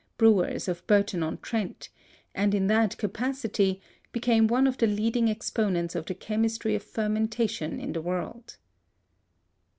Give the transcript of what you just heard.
brewers at Burton on Trent, and in that capacity became one of the leading exponents of the chemistry of fermentation in the world.